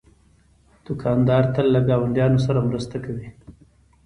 دوکاندار تل له ګاونډیانو سره مرسته کوي.